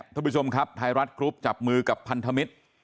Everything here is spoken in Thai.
ท่านผู้ชมครับไทยรัฐกรุ๊ปจับมือกับพันธมิตร